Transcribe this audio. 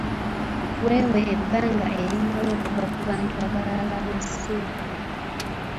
Weewe ebbanga erimala okuva ku bantu abalala b’osisinkana.